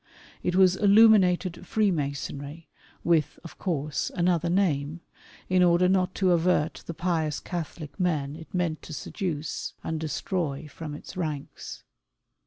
It was Illuminated Freemasonry with, of course, another name, in order not to avert the pious Catholic men it meant to seduce FENIANISM. 139 and destroy from its ranks.